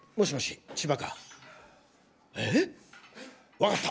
わかった。